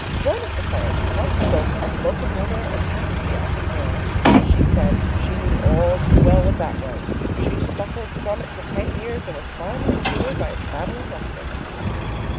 Jonas declares he once spoke of locomotor ataxia in hearing and she said she knew too well what that was. She suffered from it for ten years and was finally cured by a traveling doctor.